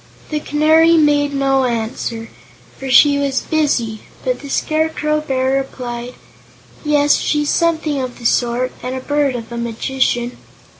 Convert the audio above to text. The Canary made no answer, for she was busy, but the Scarecrow Bear replied: "Yes; she's something of the sort, and a bird of a magician."